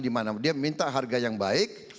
dimana dia minta harga yang baik